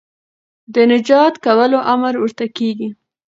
د نجات کولو امر ورته کېږي